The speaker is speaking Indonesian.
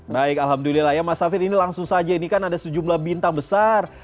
baik alhamdulillah ya mas hafid ini langsung saja ini kan ada sejumlah bintang besar